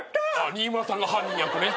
新村さんが犯人役ね。